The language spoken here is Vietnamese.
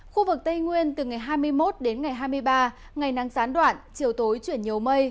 khu vực tây nguyên từ ngày hai mươi một đến ngày hai mươi ba ngày nắng gián đoạn chiều tối chuyển nhiều mây